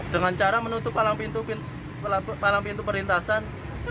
dengan cara menutup palang pintu perlintasan